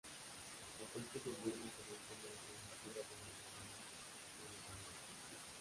Bajo este gobierno comenzó una coyuntura de rebeliones en los Andes.